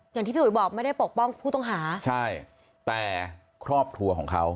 อย่างที่พี่อุ๋ยบอกไม่ได้ปกป้องผู้ต้องหาใช่แต่ครอบครัวของเขา